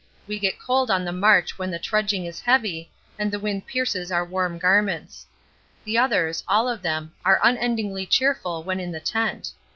We get cold on the march when the trudging is heavy, and the wind pierces our warm garments. The others, all of them, are unendingly cheerful when in the tent.